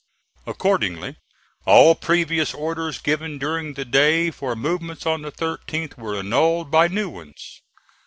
Accordingly, all previous orders given during the day for movements on the 13th were annulled by new ones.